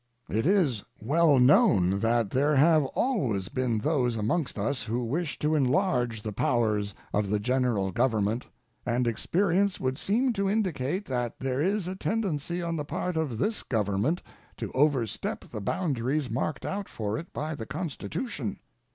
It is well known that there have always been those amongst us who wish to enlarge the powers of the. General Government, and experience would seem to indicate that there is a tendency on the part of this Government to overstep the boundaries marked out for it by the Constitution.